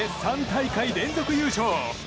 ３大会連続優勝。